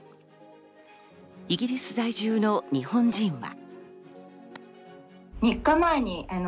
イギリス在住の日本人は。